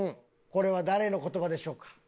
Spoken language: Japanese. これは誰の言葉でしょうか？